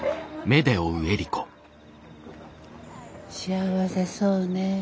幸せそうね。